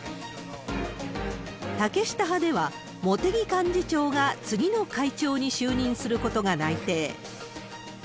竹下派では、茂木幹事長が次の会長に就任することが内定。